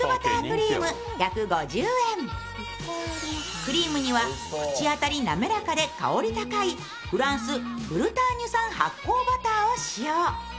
クリームには口当たり滑らかで香り高いフランス・ブルターニュ産発酵バターを使用。